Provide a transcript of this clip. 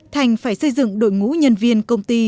thành phải xây dựng đội ngũ nhân viên công ty